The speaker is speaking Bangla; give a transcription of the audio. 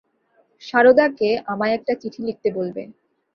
সারদাকে আমায় একটা চিঠি লিখতে বলবে।